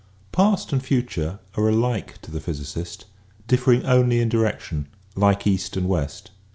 * Past and future are alike to the physicist, differing only in direction, like east and west.